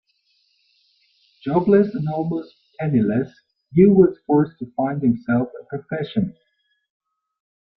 Jobless and almost penniless, Yu was forced to find himself a profession.